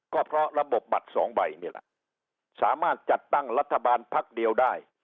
ก็เพราะระบบบัตรสองใบนี่แหละสามารถจัดตั้งรัฐบาลพักเดียวได้